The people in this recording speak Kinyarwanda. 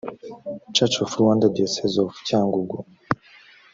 church of rwanda diocese of cyangugu